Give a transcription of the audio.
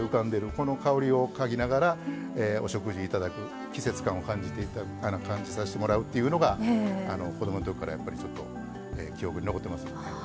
この香りを嗅ぎながらお食事いただく季節感を感じさしてもらうっていうのが子どものときからやっぱりちょっと記憶に残ってますよね。